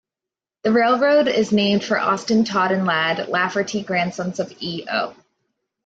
The railroad is named for Austin, Todd and Ladd Lafferty, grandsons of E. O.